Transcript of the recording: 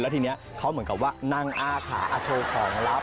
แล้วทีนี้เขาเหมือนกับว่านั่งอ้าขาอาชูของลับ